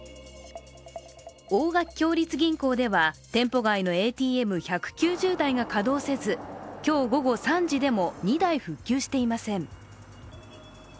大垣共立銀行では店舗外のＡＴＭ１９０台が稼働せず今日午後３時でも２台、復旧していません。